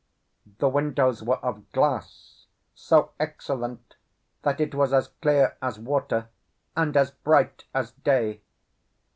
The windows were of glass, so excellent that it was as clear as water and as bright as day.